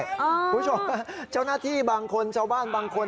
คุณผู้ชมเจ้าหน้าที่บางคนชาวบ้านบางคน